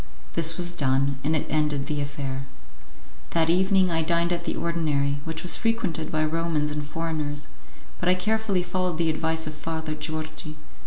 This was done, and it ended the affair. That evening I dined at the ordinary, which was frequented by Romans and foreigners; but I carefully followed the advice of Father Georgi.